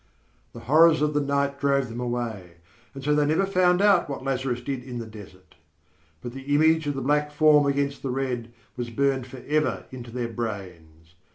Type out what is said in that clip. The horrors of the night drove them away, and so they never found out what Lazarus did in the desert; but the image of the black form against the red was burned forever into their brains.